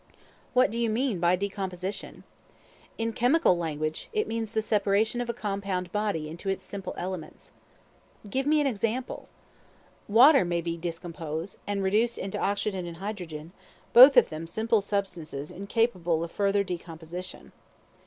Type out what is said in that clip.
What do you mean by decomposition? In chemical language, it means the separation of a compound body into its simple elements. Give me an example. Water may be decomposed, and reduced into oxygen and hydrogen, both of them simple substances incapable of further decomposition.